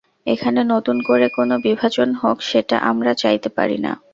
এখানে নতুন করে কোনো বিভাজন হোক, সেটা আমরা চাইতে পারি না।